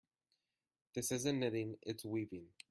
This isn't knitting, its weaving.